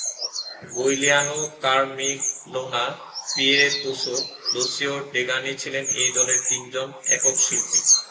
Giuliano Carmignola, Piero Toso, Lucio ডেগানি ছিলেন এই দলের তিনজন একক শিল্পী।